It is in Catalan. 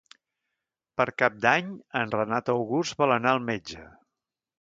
Per Cap d'Any en Renat August vol anar al metge.